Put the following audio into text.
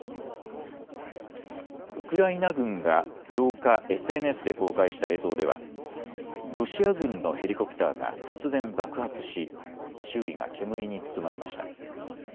ウクライナ軍が８日、ＳＮＳで公開した映像ではロシア軍のヘリコプターが突然、爆発し周囲が煙に包まれました。